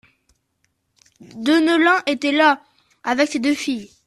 Deneulin était là, avec ses deux filles.